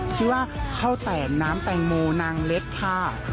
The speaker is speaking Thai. ชื่อว่าข้าวแสนน้ำแตงโมนางเล็กค่ะ